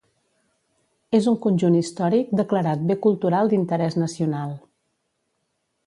És un conjunt històric declarat bé cultural d'interès nacional.